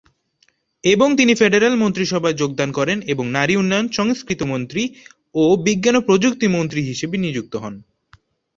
এবং তিনি ফেডারেল মন্ত্রিসভায় যোগদান করেন এবং নারী উন্নয়ন, সংস্কৃতি মন্ত্রী ও বিজ্ঞান ও প্রযুক্তি মন্ত্রী হিসাবে নিযুক্ত হন।